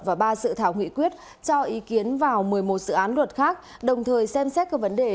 và ba sự thảo nghị quyết cho ý kiến vào một mươi một dự án luật khác đồng thời xem xét các vấn đề